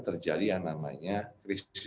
terjadi yang namanya krisis